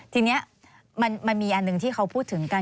ทีนี้มันมีอันหนึ่งที่เขาพูดถึงกัน